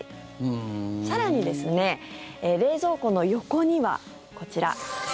更にですね、冷蔵庫の横にはこちら。